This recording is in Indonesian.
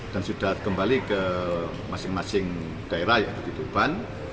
dan sudah kembali ke masing masing daerah yaitu dituban